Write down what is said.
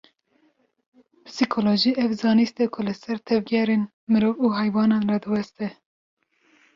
Psîkolojî, ew zanist e ku li ser tevgerên mirov û heywanan radiweste